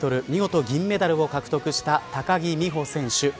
見事、銀メダルを獲得した高木美帆選手。